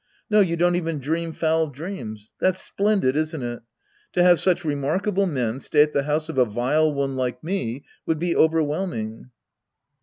No, you don't even dream foul dreams. That's splendid, isn't it? To have such remarkable men stay in the house of a vile one like me would be overwhelming.